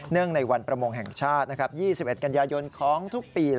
ในวันประมงแห่งชาติ๒๑กันยายนของทุกปี